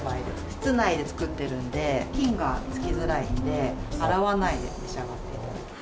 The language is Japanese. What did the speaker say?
室内で作ってるので菌がつきづらいので洗わないで召し上がって頂けます。